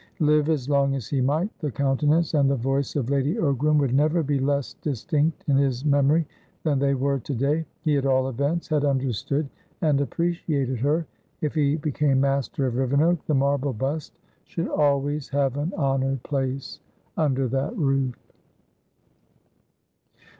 Live as long as he might, the countenance and the voice of Lady Ogram would never be less distinct in his memory than they were to day. He, at all events, had understood and appreciated her. If he became master of Rivenoak, the marble bust should always have an honoured place under that roof.